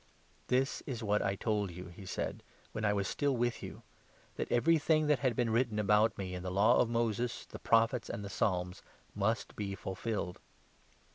" This is what I told you," he said, " when I was still with 44 you — that everything that had been written about me in the Law of Moses, the Prophets, and the Psalms, must be fulfilled."